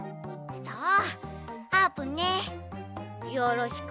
そうあーぷんねよろしく！